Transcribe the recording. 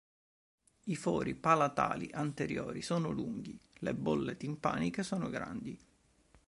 I fori palatali anteriori sono lunghi, le bolle timpaniche sono grandi.